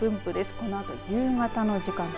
このあと夕方の時間帯